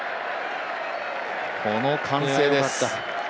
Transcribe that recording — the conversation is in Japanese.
この歓声です。